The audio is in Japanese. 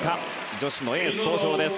女子のエース登場です。